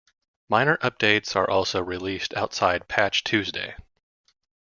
Minor updates are also released outside Patch Tuesday.